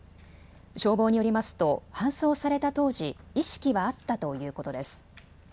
消防によりますと搬送された当時、意識はあったということです。